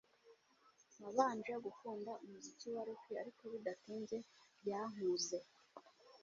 Nabanje gukunda umuziki wa rock ariko bidatinze byankuze